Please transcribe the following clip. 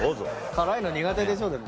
辛いの苦手でしょでも。